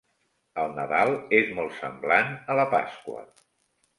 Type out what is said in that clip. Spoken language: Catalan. El Nadal és molt semblant a la Pasqua.